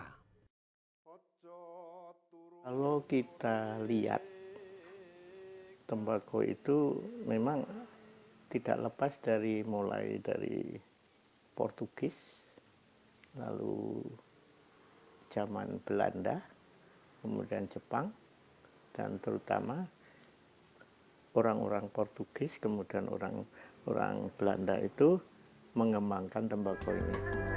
kalau kita lihat tembakau itu memang tidak lepas mulai dari portugis lalu zaman belanda kemudian jepang dan terutama orang orang portugis kemudian orang orang belanda itu mengembangkan tembakau ini